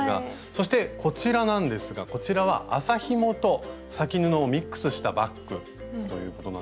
そしてこちらなんですがこちらは麻ひもと裂き布をミックスしたバッグということなんですが。